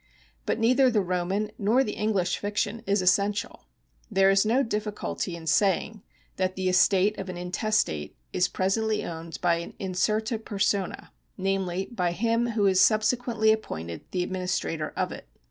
But neither the Roman nor the English fiction is essential. There is no difficulty in saying that the estate of an intestate is presently owned by an incerta persona, namely by him who is subsequently appointed the adminis trator of it.